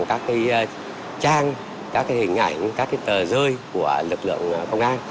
hệ thống tuyên truyền bằng các cái trang các cái hình ảnh các cái tờ rơi của lực lượng công an